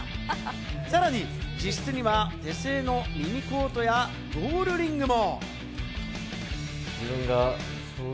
さらに自室には手製のミニコートやゴールリングも。